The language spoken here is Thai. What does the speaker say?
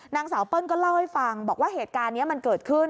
นางสาวเปิ้ลก็เล่าให้ฟังบอกว่าเหตุการณ์นี้มันเกิดขึ้น